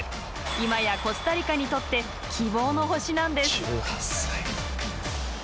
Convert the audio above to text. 今や、コスタリカにとって希望の星なんです。